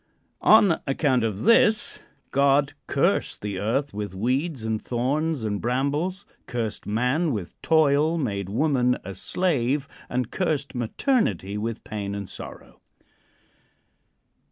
On account of this, God cursed the earth with weeds and thorns and brambles, cursed man with toil, made woman a slave, and cursed maternity with pain and sorrow.